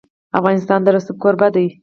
افغانستان د رسوب کوربه دی.